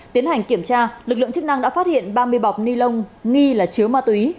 tiến hành kiểm tra lực lượng chức năng đã phát hiện ba mươi bọc ni lông nghi là chứa ma túy